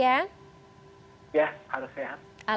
ya harus sehat